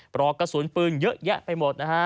ปลอกกระสุนปืนเยอะแยะไปหมดนะฮะ